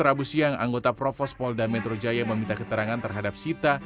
rabu siang anggota provos polda metro jaya meminta keterangan terhadap sita